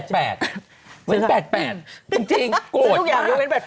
เป็น๘๘เป็นจริงโกรธมาก